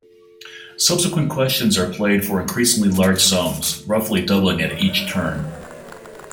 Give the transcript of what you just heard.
Subsequent questions are played for increasingly large sums, roughly doubling at each turn.